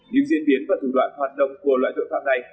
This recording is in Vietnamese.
những diễn biến và thủ đoạn hoạt động của loại tội phạm này